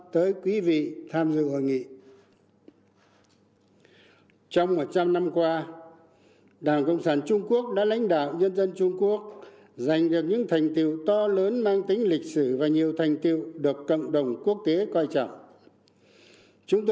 trong một trăm linh năm qua đảng cộng sản trung quốc đã lãnh đạo nhân dân trung quốc giành được những thành tiệu to lớn mang tính lịch sử và nhiều thành tiệu được cộng đồng quốc tế coi trọng